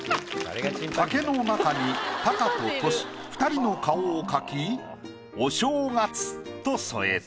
竹の中にタカとトシ２人の顔を描き「お笑月」と添えた。